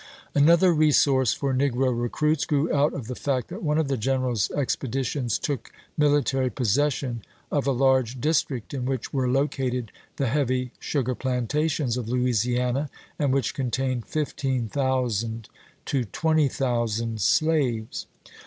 Another resource for negro recruits grew out of the fact that one of the general's expeditions took military possession of a large district in which were located the heavy sugar plantations of Loui siana, and which contained 15,000 to 20,000 slaves.